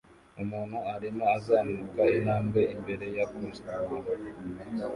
Umuntu arimo azamuka intambwe imbere ya Costco